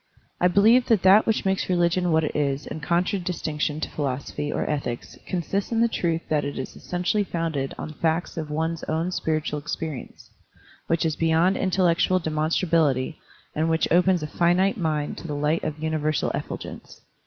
I believe that that which makes religion what it is in contradistinction to philosophy or ethics consists in the truth that it is essentially fotmded on facts of one's own spiritual experi ence, which is beyond intellectual demonstra bility and which opens a finite mind to the light of universal effulgence.